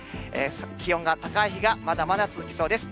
気温が高い日がまだまだ続きそうです。